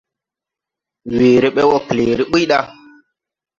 Weere be wɔ këleere buy da.